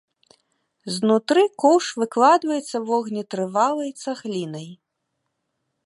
Знутры коўш выкладваецца вогнетрывалай цаглінай.